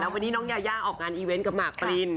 วันนี้น้องยายาออกงานอีเวนต์กับหมากปริน